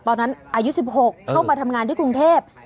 อายุ๑๖เข้ามาทำงานที่กรุงเทพ